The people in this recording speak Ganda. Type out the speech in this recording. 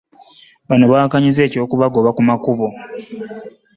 Bano bawakanyizza eky'okubagoba ku makubo.